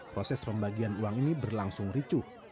proses pembagian uang ini berlangsung ricuh